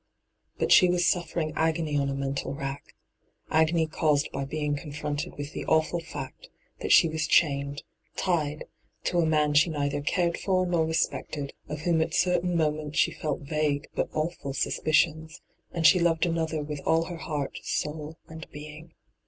But she was suffering agony on a mental rack — agony caused by heing confronted with the awful fact that she was chained, tied, to a man she neither cared for nor respected, of whom at certain moments she felt vague, but awful, suspicions ; and she loved another with all her heart, soul, and being.